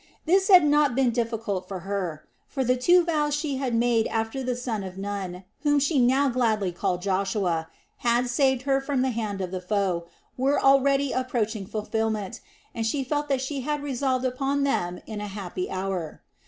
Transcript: This had not been difficult for her; for the two vows she had made after the son of Nun, whom she now gladly called "Joshua," had saved her from the hand of the foe were already approaching fulfilment, and she felt that she had resolved upon them in a happy hour.